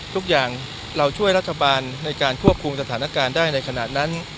ทุกอย่างเราช่วยรัฐบาลในการควบคุมสถานการณ์ได้ในขณะนั้น